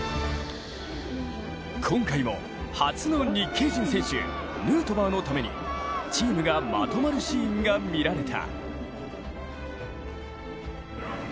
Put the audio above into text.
今回も初の日系人選手、ヌートバーのためにチームがまとまるシーンが見られた。